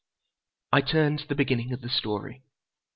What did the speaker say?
I turned to the beginning of the story.